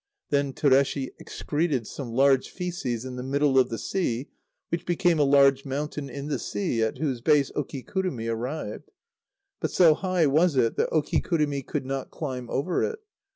Then Tureshi excreted some large fœces in the middle of the sea, which became a large mountain in the sea, at whose base Okikurumi arrived. But so high was it that Okikurumi could not climb over it.